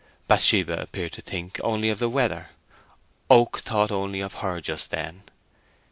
Bathsheba appeared to think only of the weather—Oak thought only of her just then.